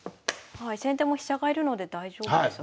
先手も飛車が居るので大丈夫ですよね？